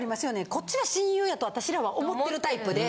こっちが親友やと私らは思ってるタイプで。